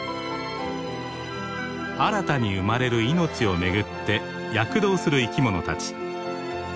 新たに生まれる命をめぐって躍動する生き物たち。